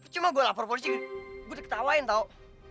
cuma gue lapor polisi gue diketawain tau